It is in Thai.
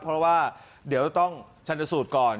เพราะว่าเดี๋ยวจะต้องชันสูตรก่อน